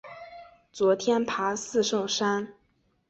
昨天爬四圣山